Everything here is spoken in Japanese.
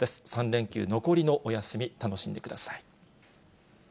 ３連休、残りのお休み、楽しんでください。